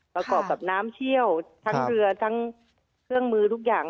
ประกอบกับน้ำเชี่ยวทั้งเรือทั้งเครื่องมือทุกอย่าง